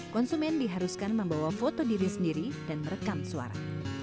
konsumen diharuskan membawa foto diri sendiri dan merekam suara